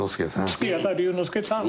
月形龍之介さん。